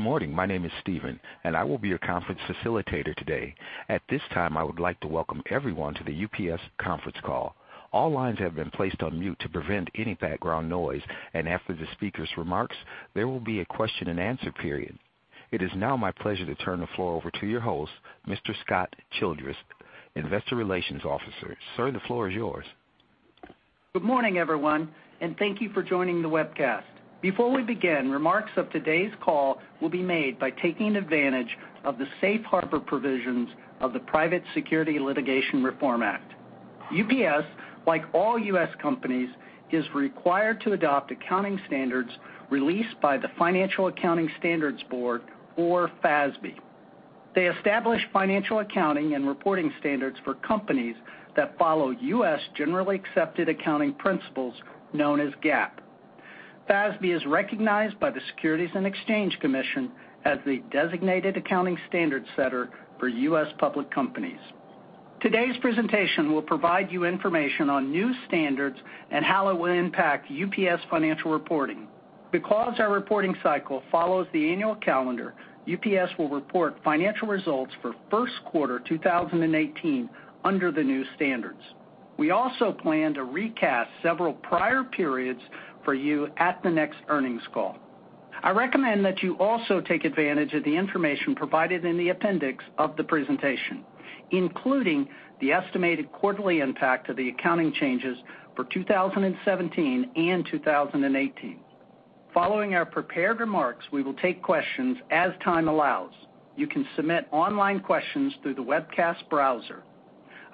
Good morning. My name is Steven, and I will be your conference facilitator today. At this time, I would like to welcome everyone to the UPS conference call. All lines have been placed on mute to prevent any background noise, and after the speaker's remarks, there will be a question and answer period. It is now my pleasure to turn the floor over to your host, Mr. Scott Childress, Investor Relations Officer. Sir, the floor is yours. Good morning, everyone, and thank you for joining the webcast. Before we begin, remarks of today's call will be made by taking advantage of the safe harbor provisions of the Private Securities Litigation Reform Act. UPS, like all U.S. companies, is required to adopt accounting standards released by the Financial Accounting Standards Board, or FASB. They establish financial accounting and reporting standards for companies that follow U.S. generally accepted accounting principles, known as GAAP. FASB is recognized by the Securities and Exchange Commission as the designated accounting standards setter for U.S. public companies. Today's presentation will provide you information on new standards and how it will impact UPS financial reporting. Because our reporting cycle follows the annual calendar, UPS will report financial results for first quarter 2018 under the new standards. We also plan to recast several prior periods for you at the next earnings call. I recommend that you also take advantage of the information provided in the appendix of the presentation, including the estimated quarterly impact of the accounting changes for 2017 and 2018. Following our prepared remarks, we will take questions as time allows. You can submit online questions through the webcast browser.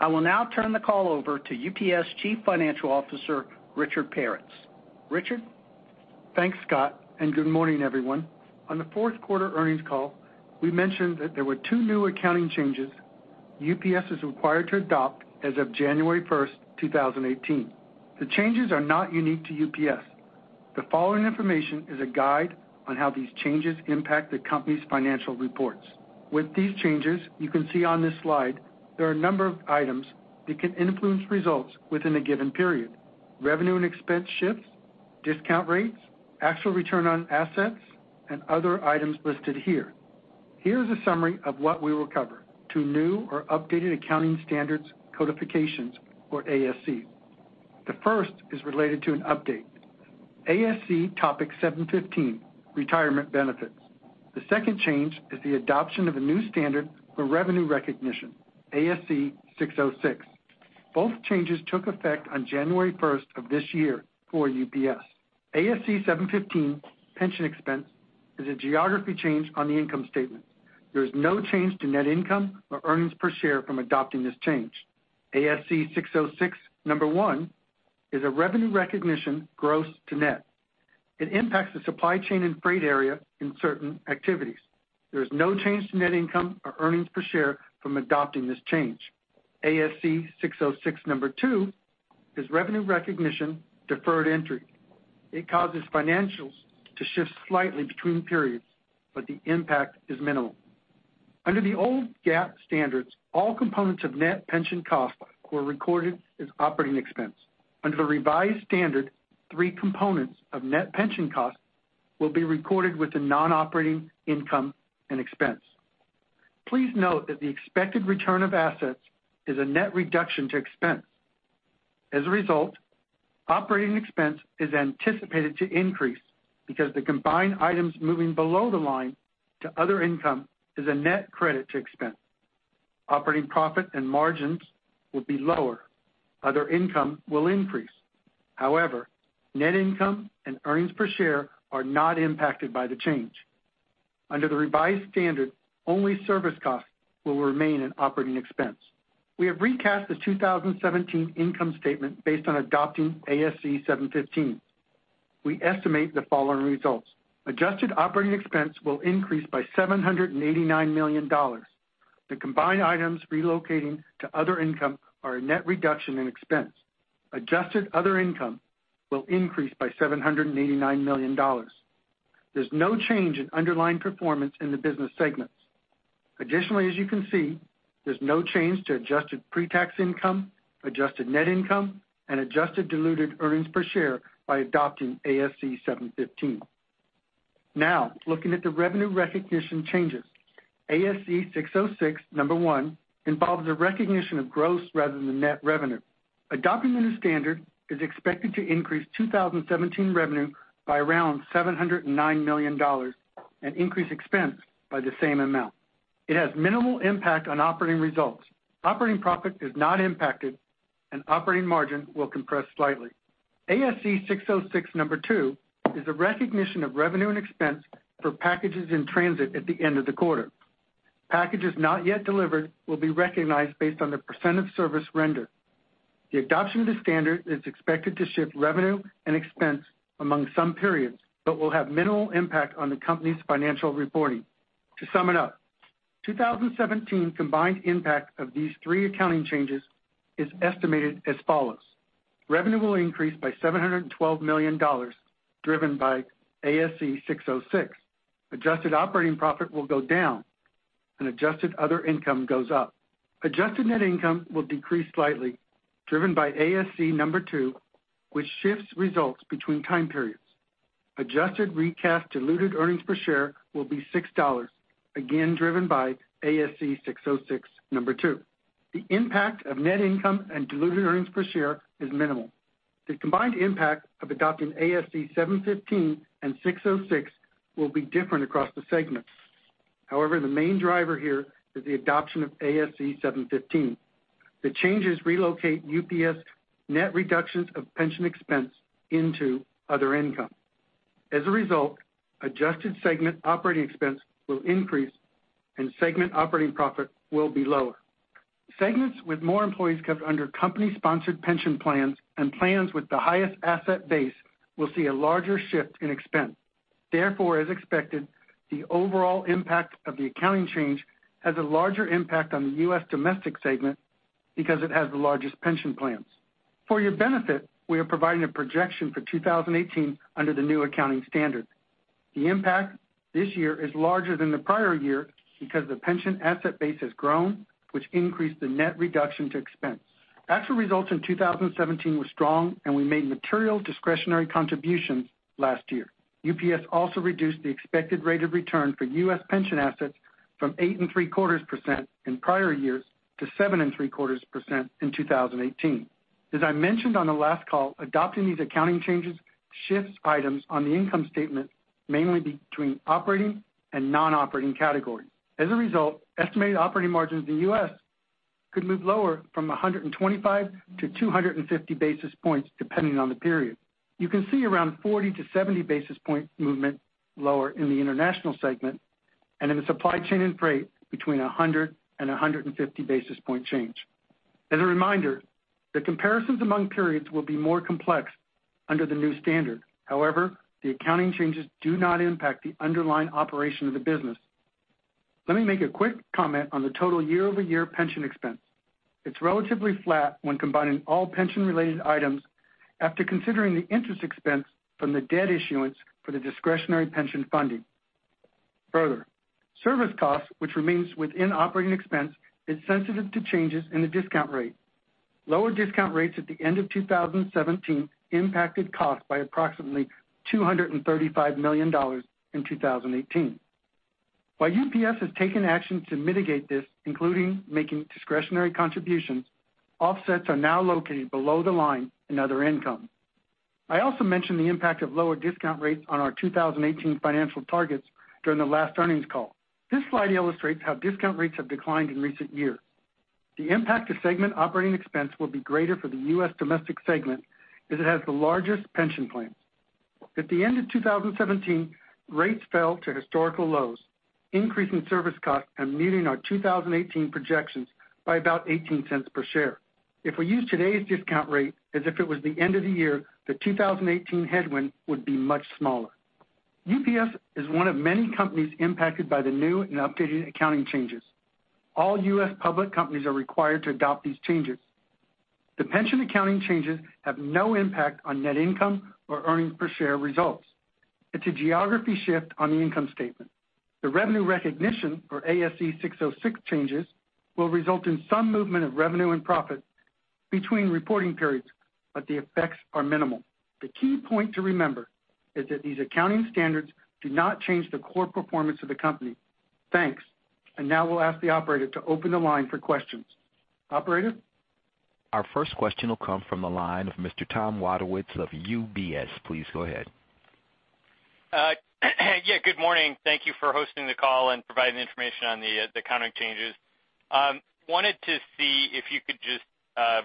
I will now turn the call over to UPS Chief Financial Officer, Richard Peretz. Richard? Thanks, Scott, good morning, everyone. On the fourth quarter earnings call, we mentioned that there were two new accounting changes UPS is required to adopt as of January 1st, 2018. The changes are not unique to UPS. The following information is a guide on how these changes impact the company's financial reports. With these changes, you can see on this slide, there are a number of items that can influence results within a given period: revenue and expense shifts, discount rates, actual return on assets, and other items listed here. Here is a summary of what we will cover. Two new or updated Accounting Standards Codifications or ASC. The first is related to an update, ASC Topic 715, retirement benefits. The second change is the adoption of a new standard for revenue recognition, ASC 606. Both changes took effect on January 1st of this year for UPS. ASC 715 pension expense is a geography change on the income statement. There is no change to net income or earnings per share from adopting this change. ASC 606 number 1 is a revenue recognition gross to net. It impacts the supply chain and freight area in certain activities. There is no change to net income or earnings per share from adopting this change. ASC 606 number 2 is revenue recognition deferred entry. It causes financials to shift slightly between periods, but the impact is minimal. Under the old GAAP standards, all components of net pension costs were recorded as operating expense. Under the revised standard, three components of net pension costs will be recorded with the non-operating income and expense. Please note that the expected return of assets is a net reduction to expense. Operating expense is anticipated to increase because the combined items moving below the line to other income is a net credit to expense. Operating profit and margins will be lower. Other income will increase. Net income and earnings per share are not impacted by the change. Under the revised standard, only service costs will remain an operating expense. We have recast the 2017 income statement based on adopting ASC 715. We estimate the following results. Adjusted operating expense will increase by $789 million. The combined items relocating to other income are a net reduction in expense. Adjusted other income will increase by $789 million. There's no change in underlying performance in the business segments. As you can see, there's no change to adjusted pre-tax income, adjusted net income, and adjusted diluted earnings per share by adopting ASC 715. Looking at the revenue recognition changes. ASC 606 number 1 involves a recognition of gross rather than net revenue. Adopting the new standard is expected to increase 2017 revenue by around $709 million and increase expense by the same amount. It has minimal impact on operating results. Operating profit is not impacted, and operating margin will compress slightly. ASC 606 number 2 is a recognition of revenue and expense for packages in transit at the end of the quarter. Packages not yet delivered will be recognized based on the % of service rendered. The adoption of the standard is expected to shift revenue and expense among some periods, but will have minimal impact on the company's financial reporting. To sum it up, 2017 combined impact of these three accounting changes is estimated as follows: Revenue will increase by $712 million, driven by ASC 606. Adjusted operating profit will go down. Adjusted other income goes up. Adjusted net income will decrease slightly, driven by ASC number 2, which shifts results between time periods. Adjusted recast diluted earnings per share will be $6, again driven by ASC 606 number 2. The impact of net income and diluted earnings per share is minimal. The combined impact of adopting ASC 715 and 606 will be different across the segments. The main driver here is the adoption of ASC 715. The changes relocate UPS net reductions of pension expense into other income. Adjusted segment operating expense will increase, and segment operating profit will be lower. Segments with more employees kept under company-sponsored pension plans and plans with the highest asset base will see a larger shift in expense. As expected, the overall impact of the accounting change has a larger impact on the U.S. domestic segment because it has the largest pension plans. For your benefit, we are providing a projection for 2018 under the new accounting standard. The impact this year is larger than the prior year because the pension asset base has grown, which increased the net reduction to expense. Actual results in 2017 were strong, and we made material discretionary contributions last year. UPS also reduced the expected rate of return for U.S. pension assets from 8.75% in prior years to 7.75% in 2018. As I mentioned on the last call, adopting these accounting changes shifts items on the income statement mainly between operating and non-operating categories. As a result, estimated operating margins in the U.S. could move lower from 125 to 250 basis points, depending on the period. You can see around 40 to 70 basis point movement lower in the international segment, and in the supply chain and freight, between 100 and 150 basis point change. As a reminder, the comparisons among periods will be more complex under the new standard. The accounting changes do not impact the underlying operation of the business. Let me make a quick comment on the total year-over-year pension expense. It's relatively flat when combining all pension-related items after considering the interest expense from the debt issuance for the discretionary pension funding. Service costs, which remains within operating expense, is sensitive to changes in the discount rate. Lower discount rates at the end of 2017 impacted costs by approximately $235 million in 2018. While UPS has taken action to mitigate this, including making discretionary contributions, offsets are now located below the line in other income. I also mentioned the impact of lower discount rates on our 2018 financial targets during the last earnings call. This slide illustrates how discount rates have declined in recent years. The impact to segment operating expense will be greater for the U.S. domestic segment, as it has the largest pension plans. At the end of 2017, rates fell to historical lows, increasing service costs and meeting our 2018 projections by about $0.18 per share. If we use today's discount rate as if it was the end of the year, the 2018 headwind would be much smaller. UPS is one of many companies impacted by the new and updated accounting changes. All U.S. public companies are required to adopt these changes. The pension accounting changes have no impact on net income or earnings per share results. It's a geography shift on the income statement. The revenue recognition for ASC 606 changes will result in some movement of revenue and profit between reporting periods, but the effects are minimal. The key point to remember is that these accounting standards do not change the core performance of the company. Thanks. Now we'll ask the operator to open the line for questions. Operator? Our first question will come from the line of Mr. Tom Wadewitz of UBS. Please go ahead. Yeah, good morning. Thank you for hosting the call and providing the information on the accounting changes. Wanted to see if you could just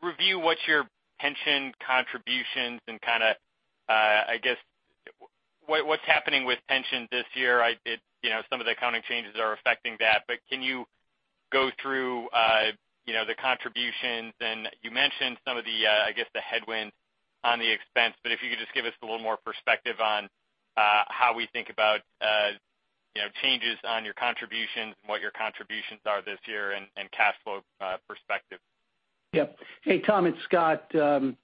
review what's your pension contributions and, I guess, what's happening with pensions this year. Some of the accounting changes are affecting that, but can you go through the contributions and you mentioned some of the, I guess, the headwind on the expense, but if you could just give us a little more perspective on how we think about changes on your contributions and what your contributions are this year and cash flow perspective. Yeah. Hey, Tom, it's Scott.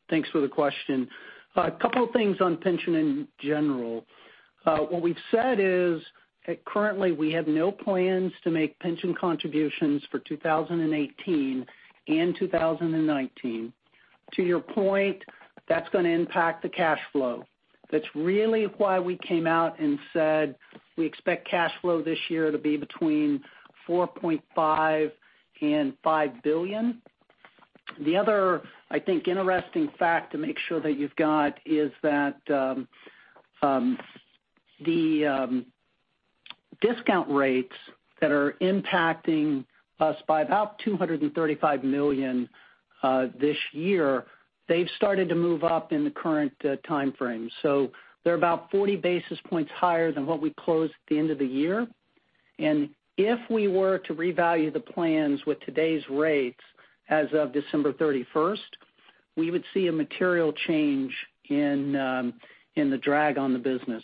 Thanks for the question. A couple of things on pension in general. What we've said is, currently, we have no plans to make pension contributions for 2018 and 2019. To your point, that's going to impact the cash flow. That's really why we came out and said we expect cash flow this year to be between $4.5 billion-$5 billion. The other, I think, interesting fact to make sure that you've got is that the discount rates that are impacting us by about $235 million this year, they've started to move up in the current time frame. They're about 40 basis points higher than what we closed at the end of the year. If we were to revalue the plans with today's rates as of December 31st, we would see a material change in the drag on the business.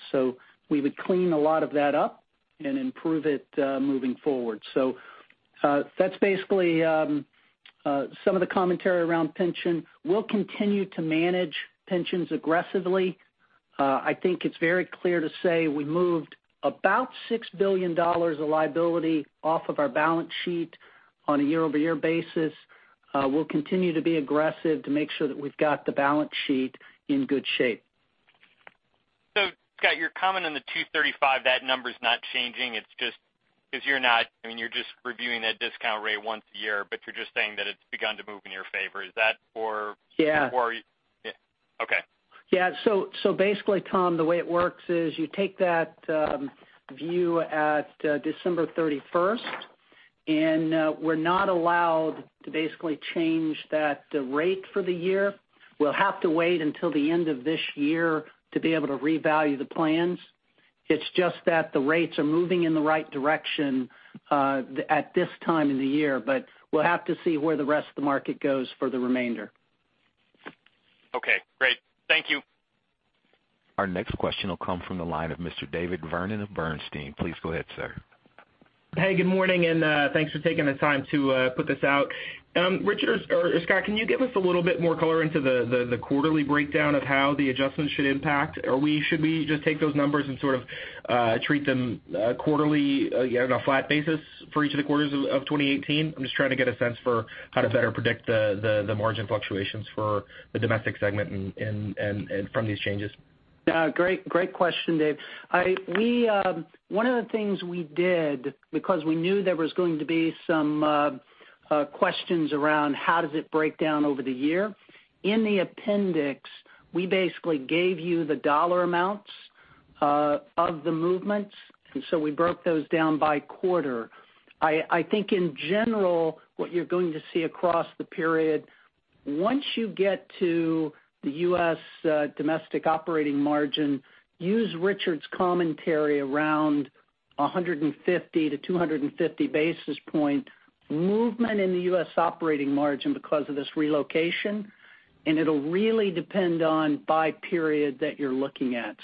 We would clean a lot of that up and improve it moving forward. That's basically some of the commentary around pension. We'll continue to manage pensions aggressively. I think it's very clear to say we moved about $6 billion of liability off of our balance sheet on a year-over-year basis. We'll continue to be aggressive to make sure that we've got the balance sheet in good shape. Scott, your comment on the 235, that number's not changing. You're just reviewing that discount rate once a year, you're just saying that it's begun to move in your favor. Is that or- Yeah. Okay. Basically, Tom, the way it works is you take that view at December 31st, we're not allowed to basically change that rate for the year. We'll have to wait until the end of this year to be able to revalue the plans. It's just that the rates are moving in the right direction, at this time in the year, we'll have to see where the rest of the market goes for the remainder. Great. Thank you. Our next question will come from the line of Mr. David Vernon of Bernstein. Please go ahead, sir. Hey, good morning, thanks for taking the time to put this out. Richard or Scott, can you give us a little bit more color into the quarterly breakdown of how the adjustments should impact? Should we just take those numbers and sort of treat them quarterly on a flat basis for each of the quarters of 2018? I'm just trying to get a sense for how to better predict the margin fluctuations for the domestic segment from these changes. Great question, Dave. One of the things we did, because we knew there was going to be some questions around how does it break down over the year, in the appendix, we basically gave you the dollar amounts of the movements, we broke those down by quarter. I think in general, what you're going to see across the period, once you get to the U.S. domestic operating margin, use Richard's commentary around 150-250 basis point movement in the U.S. operating margin because of this relocation, it'll really depend on by period that you're looking at.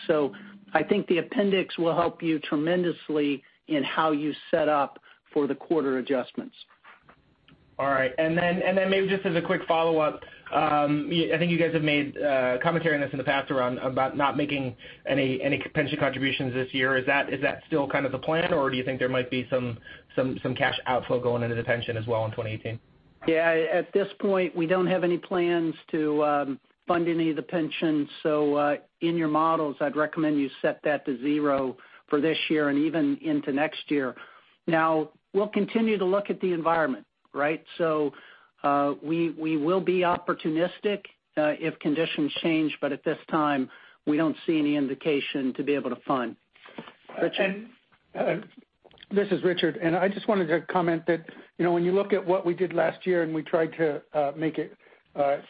I think the appendix will help you tremendously in how you set up for the quarter adjustments. All right. Then maybe just as a quick follow-up, I think you guys have made commentary on this in the past around about not making any pension contributions this year. Is that still kind of the plan, or do you think there might be some cash outflow going into the pension as well in 2018? Yeah. At this point, we don't have any plans to fund any of the pensions. In your models, I'd recommend you set that to 0 for this year and even into next year. We'll continue to look at the environment, right? We will be opportunistic if conditions change, but at this time, we don't see any indication to be able to fund. Richard? This is Richard, I just wanted to comment that when you look at what we did last year, we tried to make it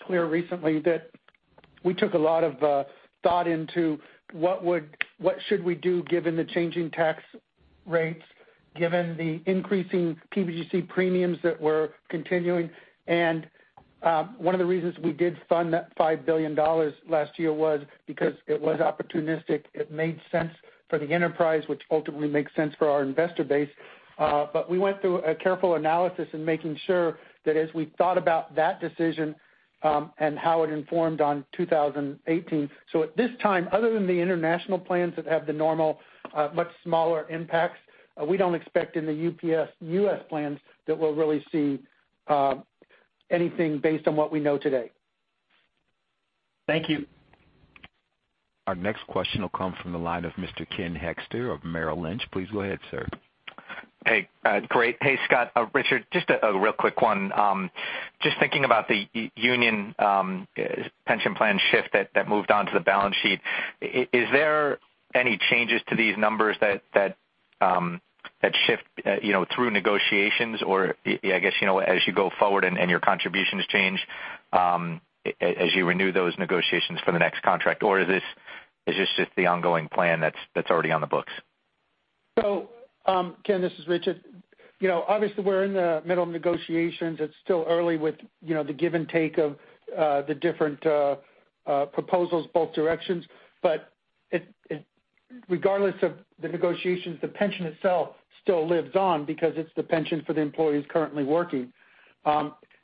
clear recently, that we took a lot of thought into what should we do given the changing tax rates, given the increasing PBGC premiums that were continuing. One of the reasons we did fund that $5 billion last year was because it was opportunistic. It made sense for the enterprise, which ultimately makes sense for our investor base. We went through a careful analysis in making sure that as we thought about that decision, and how it informed on 2018. At this time, other than the international plans that have the normal, much smaller impacts, we don't expect in the UPS U.S. plans that we'll really see anything based on what we know today. Thank you. Our next question will come from the line of Mr. Ken Hoexter of Merrill Lynch. Please go ahead, sir. Hey. Great. Hey, Scott, Richard, just a real quick one. Just thinking about the union pension plan shift that moved on to the balance sheet. Is there any changes to these numbers that shift through negotiations or, I guess, as you go forward and your contributions change, as you renew those negotiations for the next contract, or is this just the ongoing plan that's already on the books? Ken, this is Richard. Obviously, we're in the middle of negotiations. It's still early with the give and take of the different proposals, both directions. Regardless of the negotiations, the pension itself still lives on because it's the pension for the employees currently working.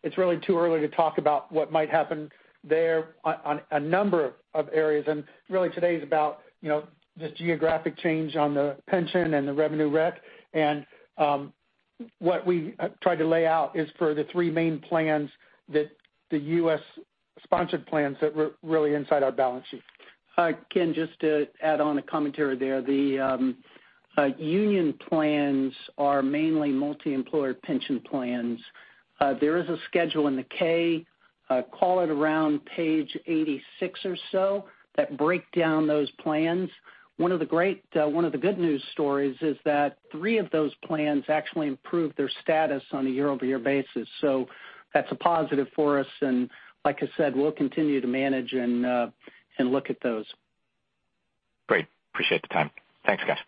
It's really too early to talk about what might happen there on a number of areas, and really today is about this geographic change on the pension and the revenue rec. What we tried to lay out is for the three main plans that the U.S. sponsored plans that were really inside our balance sheet. Ken, just to add on a commentary there, the union plans are mainly multi-employer pension plans. There is a schedule in the K, call it around page 86 or so, that break down those plans. One of the good news stories is that three of those plans actually improved their status on a year-over-year basis. That's a positive for us, and like I said, we'll continue to manage and look at those. Great. Appreciate the time. Thanks, guys.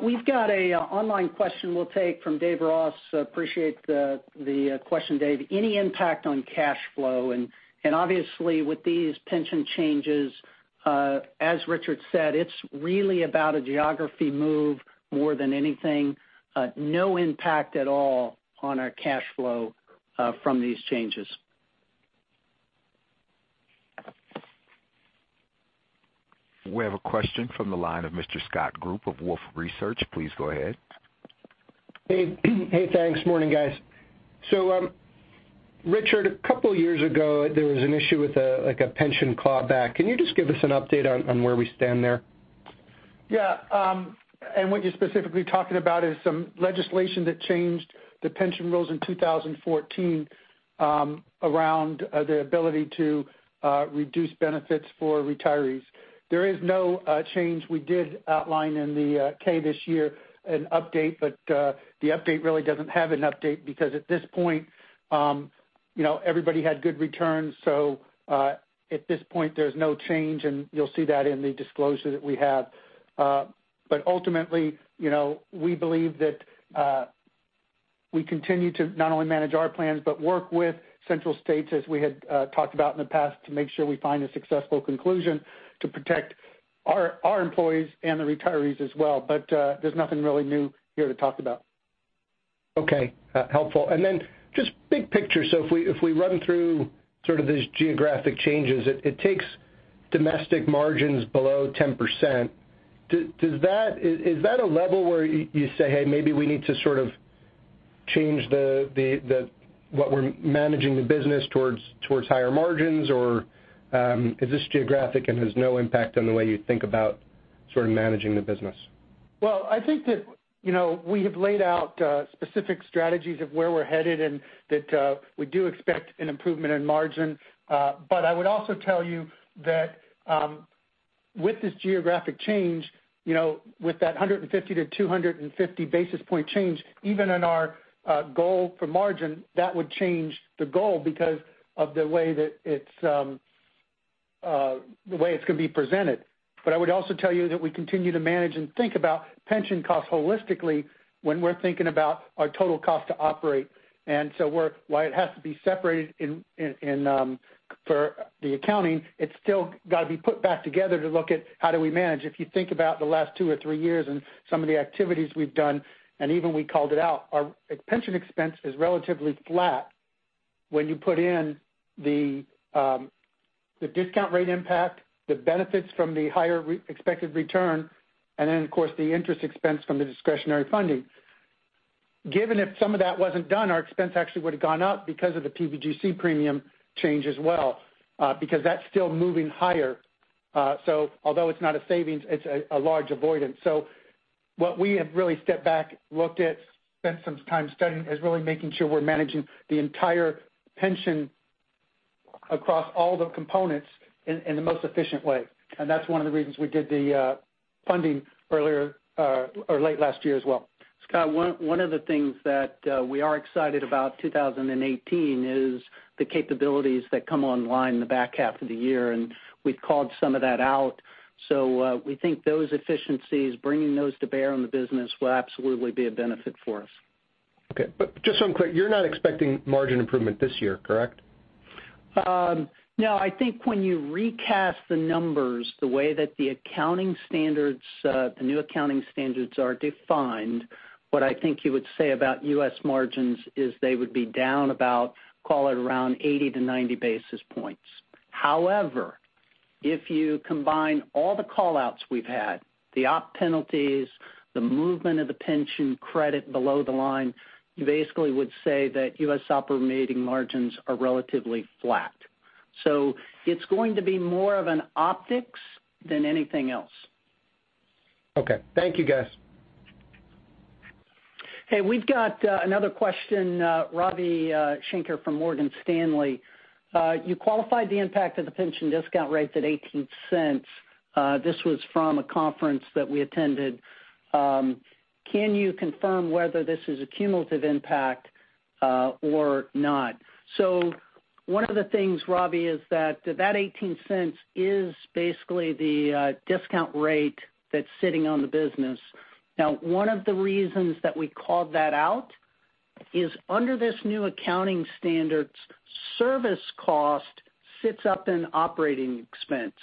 We've got an online question we'll take from Dave Ross. Appreciate the question, Dave. Any impact on cash flow? Obviously with these pension changes, as Richard said, it's really about a geography move more than anything. No impact at all on our cash flow from these changes. We have a question from the line of Mr. Scott Group of Wolfe Research. Please go ahead. Hey, thanks. Morning, guys. Richard, a couple of years ago, there was an issue with a pension clawback. Can you just give us an update on where we stand there? Yeah. What you're specifically talking about is some legislation that changed the pension rules in 2014, around the ability to reduce benefits for retirees. There is no change. We did outline in the K this year an update, but the update really doesn't have an update because at this point, everybody had good returns. At this point, there's no change, and you'll see that in the disclosure that we have. Ultimately, we believe that we continue to not only manage our plans but work with Central States as we had talked about in the past to make sure we find a successful conclusion to protect our employees and the retirees as well. There's nothing really new here to talk about. Okay. Helpful. Just big picture, if we run through sort of these geographic changes, it takes domestic margins below 10%. Is that a level where you say, "Hey, maybe we need to sort of change what we're managing the business towards higher margins," or is this geographic and has no impact on the way you think about sort of managing the business? I think that we have laid out specific strategies of where we're headed and that we do expect an improvement in margin. I would also tell you that with this geographic change, with that 150 to 250 basis point change, even in our goal for margin, that would change the goal because of the way it's going to be presented. I would also tell you that we continue to manage and think about pension costs holistically when we're thinking about our total cost to operate. While it has to be separated for the accounting, it's still got to be put back together to look at how do we manage. If you think about the last two or three years and some of the activities we've done, and even we called it out, our pension expense is relatively flat when you put in the discount rate impact, the benefits from the higher expected return, and then of course, the interest expense from the discretionary funding. Given if some of that wasn't done, our expense actually would've gone up because of the PBGC premium change as well because that's still moving higher. Although it's not a savings, it's a large avoidance. What we have really stepped back, looked at, spent some time studying, is really making sure we're managing the entire pension across all the components in the most efficient way. That's one of the reasons we did the funding late last year as well. Scott, one of the things that we are excited about 2018 is the capabilities that come online in the back half of the year, and we've called some of that out. We think those efficiencies, bringing those to bear on the business will absolutely be a benefit for us. Okay. Just one quick, you're not expecting margin improvement this year, correct? No, I think when you recast the numbers, the way that the new accounting standards are defined, what I think you would say about U.S. margins is they would be down about, call it around 80-90 basis points. However, if you combine all the call-outs we've had, the op penalties, the movement of the pension credit below the line, you basically would say that U.S. operating margins are relatively flat. It's going to be more of an optics than anything else. Okay. Thank you, guys. Hey, we've got another question, Ravi Shanker from Morgan Stanley. You qualified the impact of the pension discount rates at $0.18. This was from a conference that we attended. Can you confirm whether this is a cumulative impact or not? One of the things, Ravi, is that $0.18 is basically the discount rate that's sitting on the business. Now, one of the reasons that we called that out is under this new accounting standards, service cost sits up in operating expense.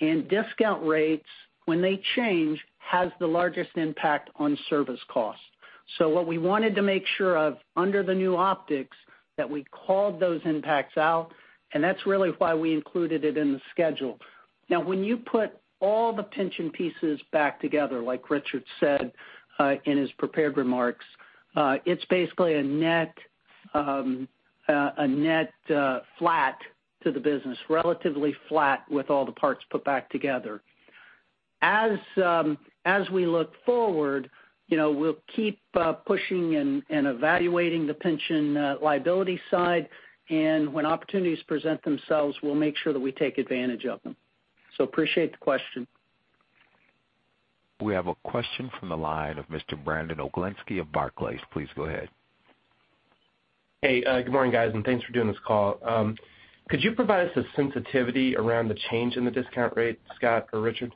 Discount rates, when they change, has the largest impact on service cost. What we wanted to make sure of under the new optics, that we called those impacts out, and that's really why we included it in the schedule. When you put all the pension pieces back together, like Richard said in his prepared remarks, it's basically a net flat to the business, relatively flat with all the parts put back together. As we look forward, we'll keep pushing and evaluating the pension liability side, and when opportunities present themselves, we'll make sure that we take advantage of them. Appreciate the question. We have a question from the line of Mr. Brandon Oglenski of Barclays. Please go ahead. Hey, good morning, guys, and thanks for doing this call. Could you provide us a sensitivity around the change in the discount rate, Scott or Richard?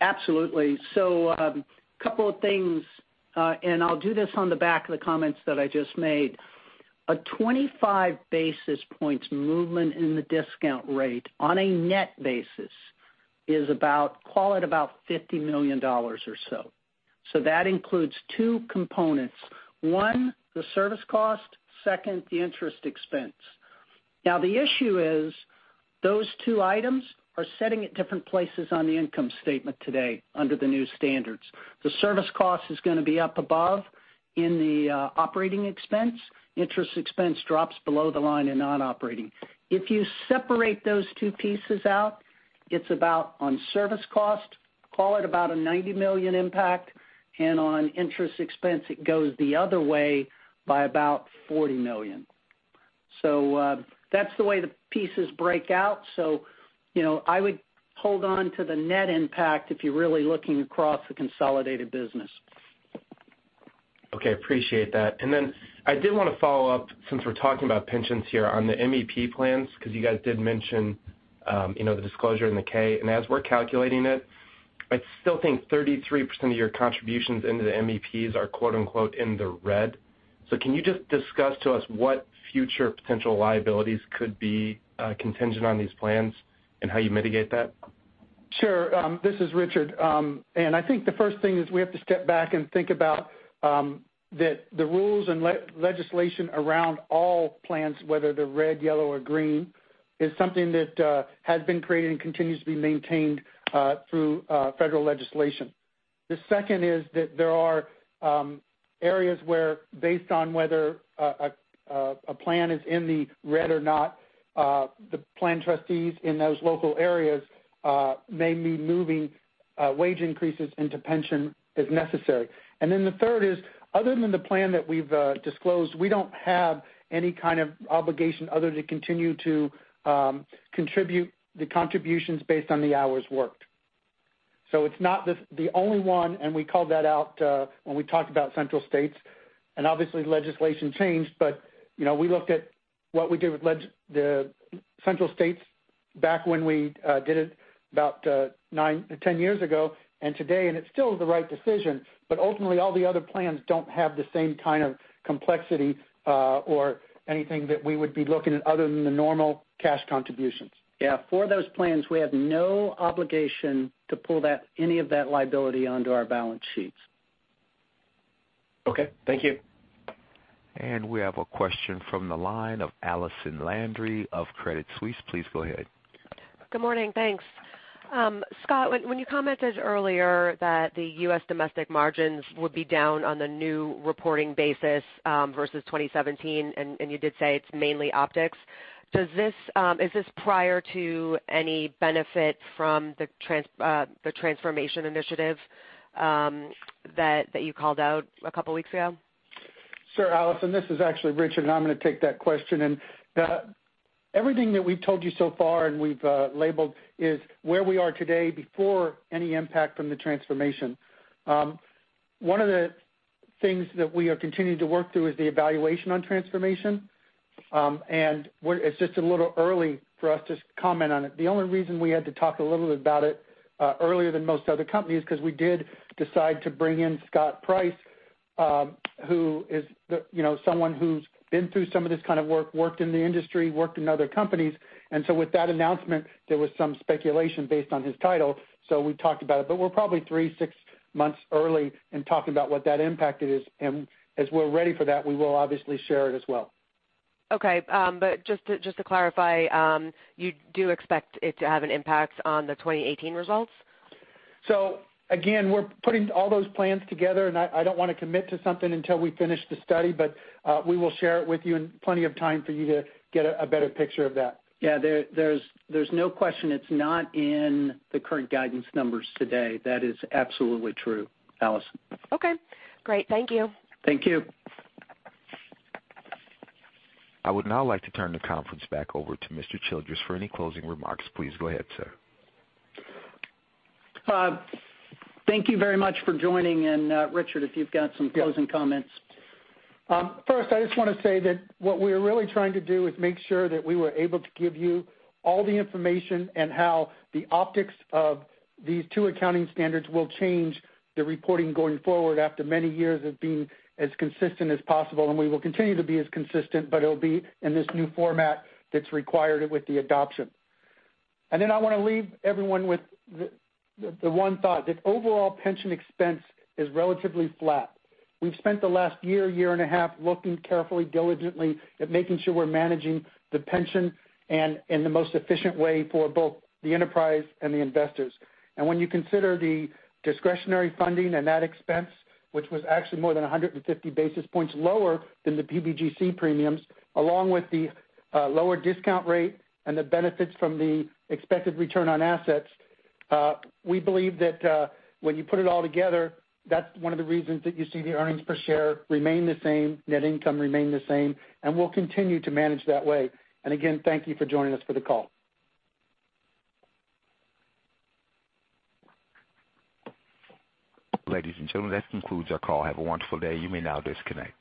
Absolutely. Couple of things and I'll do this on the back of the comments that I just made. A 25 basis points movement in the discount rate on a net basis is about, call it about $50 million or so. That includes two components. One, the service cost, second, the interest expense. The issue is those two items are sitting at different places on the income statement today under the new standards. The service cost is going to be up above in the operating expense. Interest expense drops below the line in non-operating. If you separate those two pieces out, it's about on service cost, call it about a $90 million impact, and on interest expense, it goes the other way by about $40 million. That's the way the pieces break out. I would hold on to the net impact if you're really looking across the consolidated business. Okay. Appreciate that. I did want to follow up, since we're talking about pensions here, on the MEP plans, because you guys did mention the disclosure in the K. As we're calculating it, I still think 33% of your contributions into the MEPs are, quote-unquote, "In the red." Can you just discuss to us what future potential liabilities could be contingent on these plans and how you mitigate that? Sure. This is Richard. I think the first thing is we have to step back and think about the rules and legislation around all plans, whether they're red, yellow, or green, is something that has been created and continues to be maintained through federal legislation. The second is that there are areas where based on whether a plan is in the red or not, the plan trustees in those local areas may be moving wage increases into pension if necessary. The third is, other than the plan that we've disclosed, we don't have any kind of obligation other to continue to contribute the contributions based on the hours worked. It's not the only one, and we called that out when we talked about Central States, and obviously legislation changed, but we looked at what we did with the Central States back when we did it about 10 years ago and today, and it still is the right decision, but ultimately all the other plans don't have the same kind of complexity or anything that we would be looking at other than the normal cash contributions. Yeah, for those plans, we have no obligation to pull any of that liability onto our balance sheets. Okay. Thank you. We have a question from the line of Allison Landry of Credit Suisse. Please go ahead. Good morning. Thanks. Scott, when you commented earlier that the U.S. domestic margins would be down on the new reporting basis versus 2017, and you did say it's mainly optics, is this prior to any benefit from the transformation initiative that you called out a couple of weeks ago? Sure, Allison, this is actually Richard. I'm going to take that question. Everything that we've told you so far and we've labeled is where we are today before any impact from the transformation. One of the things that we are continuing to work through is the evaluation on transformation. It's just a little early for us to comment on it. The only reason we had to talk a little bit about it earlier than most other companies, because we did decide to bring in Scott Price, who's someone who's been through some of this kind of work, worked in the industry, worked in other companies. With that announcement, there was some speculation based on his title. We talked about it, we're probably three, six months early in talking about what that impact is. As we're ready for that, we will obviously share it as well. Okay. Just to clarify, you do expect it to have an impact on the 2018 results? Again, we're putting all those plans together. I don't want to commit to something until we finish the study, we will share it with you in plenty of time for you to get a better picture of that. Yeah, there's no question it's not in the current guidance numbers today. That is absolutely true, Allison. Okay, great. Thank you. Thank you. I would now like to turn the conference back over to Mr. Childress for any closing remarks. Please go ahead, sir. Thank you very much for joining, and Richard, if you've got some closing comments. First, I just want to say that what we're really trying to do is make sure that we were able to give you all the information and how the optics of these two accounting standards will change the reporting going forward after many years of being as consistent as possible. We will continue to be as consistent, but it'll be in this new format that's required it with the adoption. I want to leave everyone with the one thought that overall pension expense is relatively flat. We've spent the last year and a half, looking carefully, diligently at making sure we're managing the pension and in the most efficient way for both the enterprise and the investors. When you consider the discretionary funding and that expense, which was actually more than 150 basis points lower than the PBGC premiums, along with the lower discount rate and the benefits from the expected return on assets, we believe that when you put it all together, that's one of the reasons that you see the earnings per share remain the same, net income remain the same, and we'll continue to manage that way. Again, thank you for joining us for the call. Ladies and gentlemen, that concludes our call. Have a wonderful day. You may now disconnect.